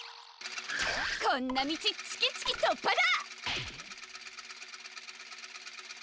こんなみちチキチキとっぱだ！